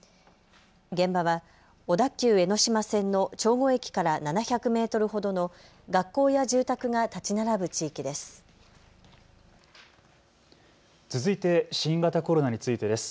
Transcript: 現場は小田急江ノ島線の長後駅から７００メートルほどの学校や住宅が建ち並ぶ地域です。